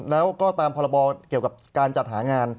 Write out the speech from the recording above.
แล้วก็ตามพรบเกี่ยวกับการจัดหางาน